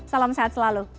salam sehat selalu